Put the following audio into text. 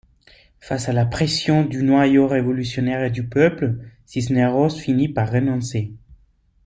Face à la pression du noyau révolutionnaire et du peuple, Cisneros finit par renoncer.